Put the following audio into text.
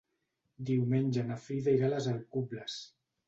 Diumenge na Frida irà a les Alcubles.